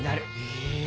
へえ。